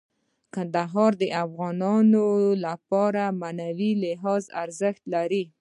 کندهار د افغانانو لپاره په معنوي لحاظ ارزښت لري.